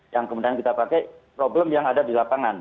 yang kemudian kita pakai problem yang ada di lapangan